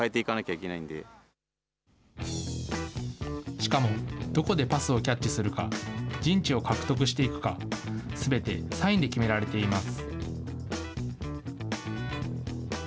しかも、どこでパスをキャッチするか、陣地を獲得していくか、すべてサインで決められています。